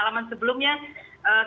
bagaimana pengalaman sebelumnya